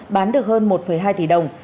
bán được hơn một hai tỷ đồng